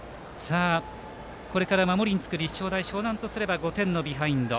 これから守りにつく立正大淞南とすれば５点のビハインド。